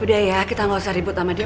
udah ya kita gak usah ribut sama dia